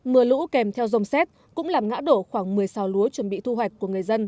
mưa lũ kèm theo dông xét cũng làm ngã đổ khoảng một mươi xào lúa chuẩn bị thu hoạch của người dân